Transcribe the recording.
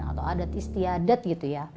atau adat istiadat gitu ya